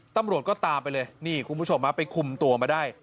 ตำรวจก็ตามไปเลยนี่คุณผู้ชมไปคุมตัวมาได้